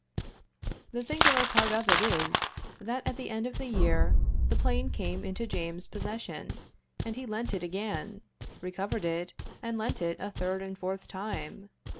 The singular part of it is, that, at the end of the year, the plane came into James' possession, and he lent it again; recovered it, and lent it a third and fourth time.